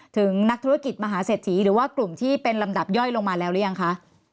ถึงนักธุรกิจมหาเศรษฐีหรือว่ากลุ่มที่เป็นลำดับย่อยลงมาแล้วหรือยังคะ